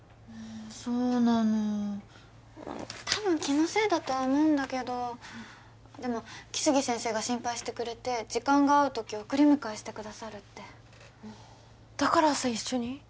そうなのたぶん気のせいだとは思うんだけどでも来生先生が心配してくれて時間が合う時送り迎えしてくださるってだから朝一緒に？